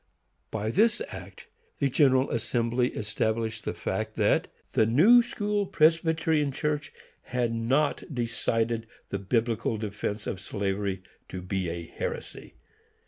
By this act the General Assembly established the fact that the New School Presbyterian Church had not decided the Biblical defence of slavery to be a heresy.